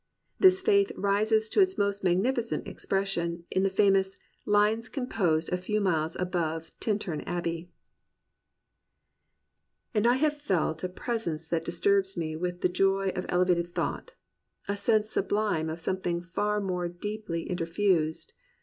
This faith rises to its most mag nificent expression in the famous Lines composed a few miles above Tintern Abbey: "And I have felt A presence that disturbs me with the joy Of elevated thought; a sense sublime Of something far more deeply interfused.